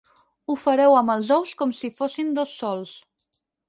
Ho fareu amb els ous com si fossin dos sols.